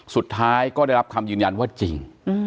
สุดท้ายก็ได้รับคำยืนยันว่าจริง